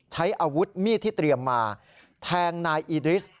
ใช้อาวุธมีดที่เตรียมมาแทงนายอีดริส